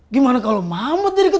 gimana kalo mamat jadi ketua rw